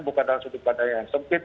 bukan dalam sudut pandang yang sempit